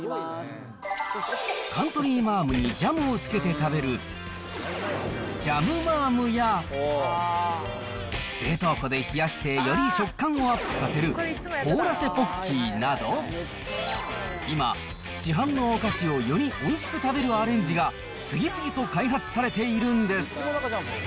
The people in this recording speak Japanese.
カントリーマアムにジャムをつけて食べるジャムマアムや、冷凍庫で冷やしてより食感をアップさせる、凍らせポッキーなど、今、市販のおかしをよりおいしく食べるアレンジが次々と開発されているんです。